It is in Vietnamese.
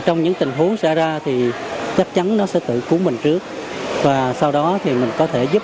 trong những tình huống sơ cấp cứu